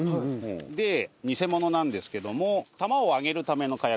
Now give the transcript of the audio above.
で偽物なんですけども玉をあげるための火薬です